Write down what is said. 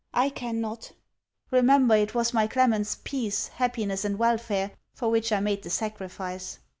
I can not. Remember it was my Clement's peace, happiness, and welfare, for which I made the sacrifice.